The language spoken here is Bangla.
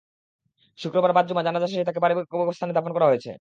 শুক্রবার বাদ জুমা জানাজা শেষে তাঁকে পারিবারিক কবরস্থানে দাফন করা হয়েছে।